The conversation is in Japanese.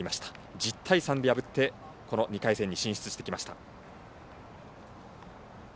１０対３で破って進出してきました。